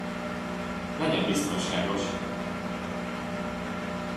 Legyen biztonságos!